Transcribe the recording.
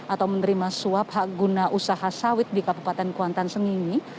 atau menerima suap hak guna usaha sawit di kabupaten kuantan sengingi